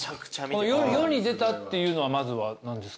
世に出たっていうのはまずは何ですか？